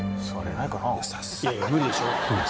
いやいや無理でしょ。